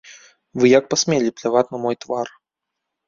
Вы як пасмелі пляваць на мой твар?